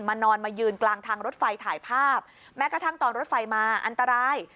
นอนมายืนกลางทางรถไฟถ่ายภาพแม้กระทั่งตอนรถไฟมาอันตราย